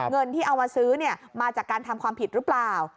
เงินที่เอามาซื้อมาจากการทำความผิดหรือเปล่า